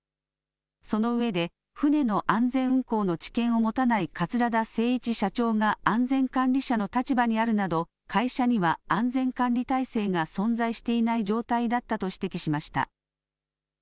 そのうえで船の安全運航の知見を持たない桂田精一社長が安全管理者の立場にあるなど会社には安全管理体制が存在していない状態だったと指摘しました。